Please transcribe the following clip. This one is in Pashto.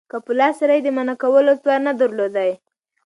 که په لاس سره ئې د منعه کولو توان نه درلودي